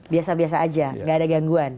biasa biasa saja enggak ada gangguan